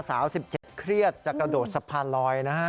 ๑๗เครียดจะกระโดดสะพานลอยนะฮะ